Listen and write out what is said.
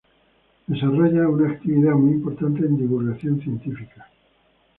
Desarrolla una actividad muy importante en Divulgación Científica.